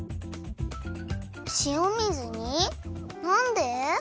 なんで？